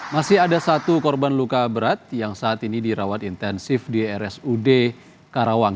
masih ada satu korban luka berat yang saat ini dirawat intensif di rsud karawang